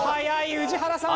宇治原さん。